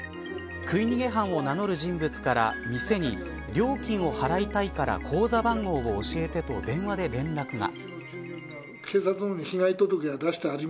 食い逃げ犯を名乗る人物から店に、料金を払いたいから口座番号を教えてと電話で連絡が。